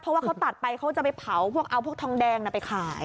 เพราะว่าเขาตัดไปเขาจะไปเผาพวกเอาพวกทองแดงไปขาย